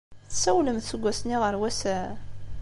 Tessawlemt seg wass-nni ɣer wass-a?